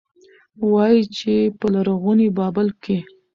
وايي، چې په لرغوني بابل کې